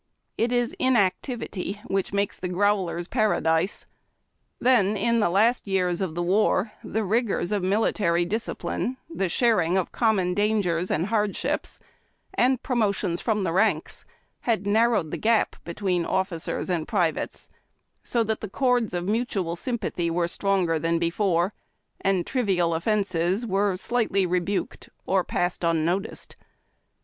It is inactivity which makes the growler's para dise. Then, in the last years of the war the rigors of mili tary discipline, the sharing of common dangers and hard ships, and promotions from the ranks, had narrowed the gap between officers and privates so that the chords of mutual sympathy were stronger than before, and trivial offences were slightly rebuked or passed unnoticed.